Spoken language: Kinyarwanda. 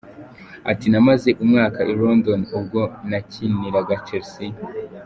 Ati “Namaze umwaka i London ubwo nakiniraga Chelsea.